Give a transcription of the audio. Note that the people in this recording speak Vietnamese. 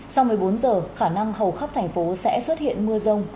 sau một mươi bốn giờ khả năng hầu khắp thành phố sẽ xuất hiện mưa rông